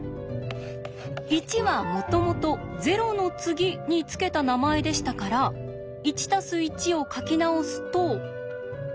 「１」はもともと「０の次」に付けた名前でしたから「１＋１」を書き直すと。